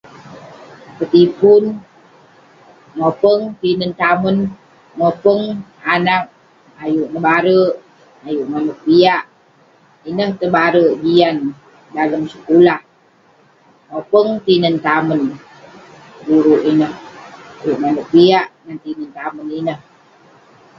Petipun, mopeng tinen tamen, mopeng anak.. ayuk nebarek ,ayuk maneuk piak .Ineh tebarek jian dalem sekulah..mopeng tinen tamen ,guru ineh ayuk maneuk piak ngan tinen tamen ineh.